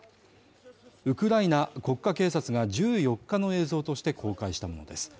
ウクライナ国家警察が１４日の映像として公開したものです。